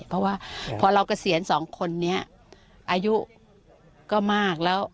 เพราะว่าพอเราเกษียณสองคนนี้อายุก็มากแล้ว